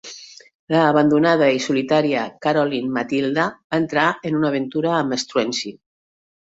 La abandonada i solitària Caroline Matilda va entrar en una aventura amb Struensee.